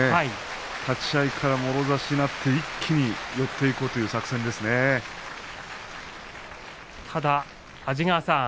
立ち合いからもろ差しになって一気に寄っていこうというただ、安治川さん